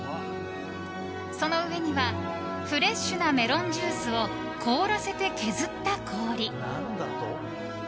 その上にはフレッシュなメロンジュースを凍らせて削った氷。